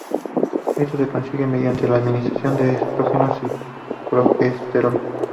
Esto se consigue mediante la administración de estrógenos y progesterona.